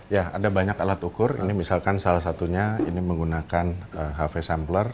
ya ada banyak alat ukur ini misalkan salah satunya ini menggunakan hv sampler